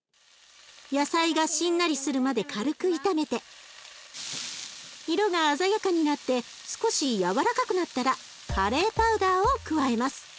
野菜がしんなりするまで軽く炒めて色が鮮やかになって少し軟らかくなったらカレーパウダーを加えます。